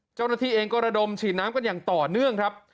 เจ้าหน้าที่เองก็ระดมฉีดน้ำกันอย่างต่อเนื่องครับ